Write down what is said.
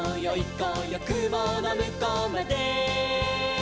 こうよくものむこうまで」